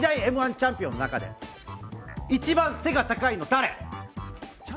チャンピオンの中で一番背が高いの、誰？